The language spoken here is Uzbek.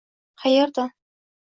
Qayerdan?